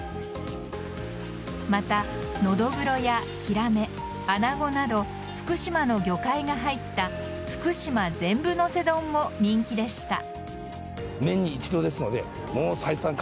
また、ノドグロやヒラメアナゴなど、福島の魚介が入ったふくしま全部のせ丼も人気でした。